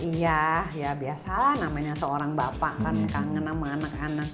iya ya biasa namanya seorang bapak kan kangen sama anak anak